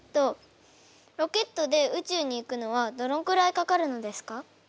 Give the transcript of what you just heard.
ロケットで宇宙に行くのはどのくらいかかるのですか？